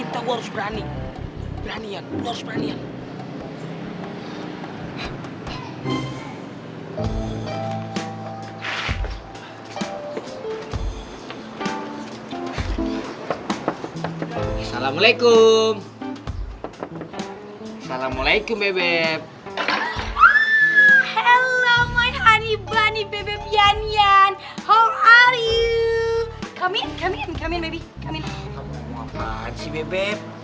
kamu ngomong apaan sih beb beb